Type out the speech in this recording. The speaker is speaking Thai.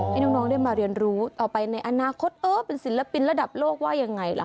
ให้น้องได้มาเรียนรู้ต่อไปในอนาคตเออเป็นศิลปินระดับโลกว่ายังไงล่ะ